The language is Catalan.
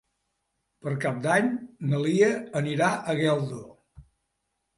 Per Cap d'Any na Lia anirà a Geldo.